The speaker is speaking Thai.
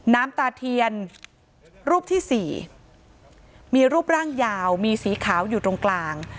น้ำตาเทียนรูปที่สี่มีรูปร่างยาวมีสีขาวอยู่ตรงกลาง